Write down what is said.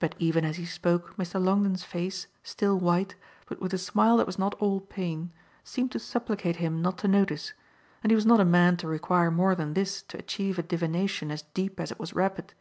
But even as he spoke Mr. Longdon's face, still white, but with a smile that was not all pain, seemed to supplicate him not to notice; and he was not a man to require more than this to achieve a divination as deep as it was rapid.